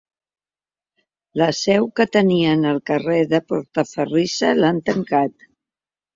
La seu que tenien al carrer de Portaferrissa l'han tancat.